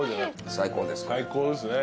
最高ですね。